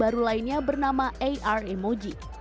dan fitur baru lainnya bernama ar emoji